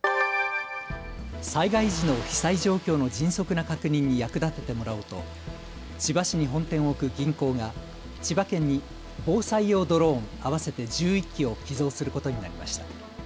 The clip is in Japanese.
災害時の被災状況の迅速な確認に役立ててもらおうと千葉市に本店を置く銀行が千葉県に防災用ドローン合わせて１１機を寄贈することになりました。